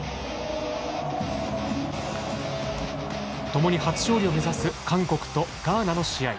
ともに初勝利を目指す韓国とガーナの試合。